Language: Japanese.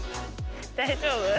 大丈夫？